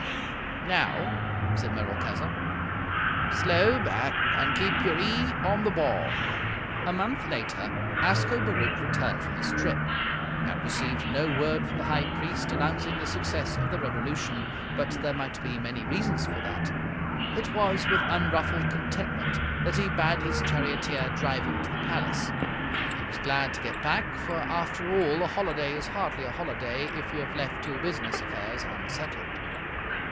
"Now," said Merolchazzar, "slow back and keep your e'e on the ba'!" A month later, Ascobaruch returned from his trip. He had received no word from the High Priest announcing the success of the revolution, but there might be many reasons for that. It was with unruffled contentment that he bade his charioteer drive him to the palace. He was glad to get back, for after all a holiday is hardly a holiday if you have left your business affairs unsettled.